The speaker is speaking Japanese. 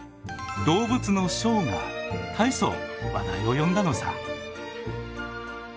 動物のショーが大層話題を呼んだのさ。